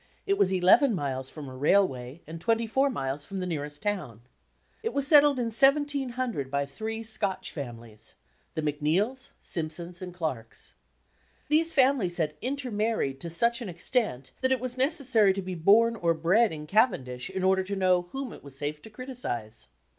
It was eleven miles from a railway and twenty four miles from the nearest town. It was settled in 1 700 by three Scotch families the Macneills, Simpsons, and Clarks. These families had inter married to such an extent that it was necessary to be bom or bred in Cavendish in order to know whom it was safe to criticize.